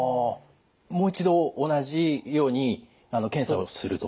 もう一度同じように検査をするということ。